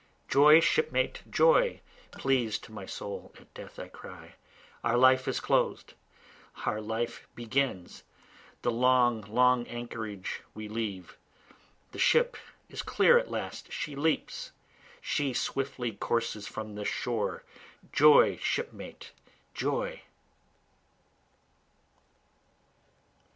Joy, shipmate, Joy! (Pleas'd to my soul at death I cry,) Our life is closed, our life begins, The long, long anchorage we leave, The ship is clear at last, she leaps! She swiftly courses from the shore, Joy, shipmate, joy.